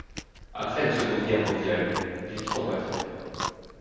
Après la Seconde Guerre mondiale, il vit en Bavière.